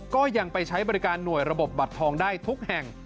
ก็ยังไปใช้บริการหน่วยระบบบัตรทองได้ทุกแห่ง